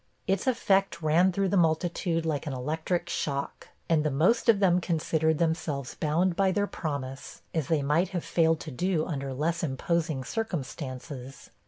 Its effect ran through the multitude, like an electric shock; and the most of them considered themselves bound by their promise, as they might have failed to do under less imposing circumstances.